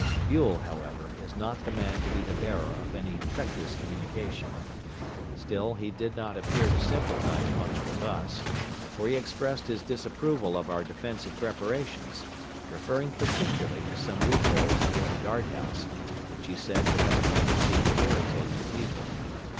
Buell, however, is not the man to be the bearer of any treacherous communication. Still, he did not appear to sympathize much with us, for he expressed his disapproval of our defensive preparations; referring particularly to some loop holes near the guard house, which he said would have a tendency to irritate the people.